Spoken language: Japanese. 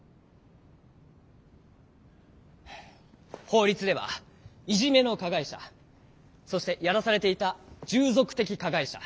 法律ではいじめの加害者そしてやらされていた従属的加害者